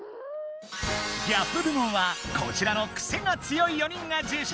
ギャップ部門はこちらのクセが強い４人が受賞！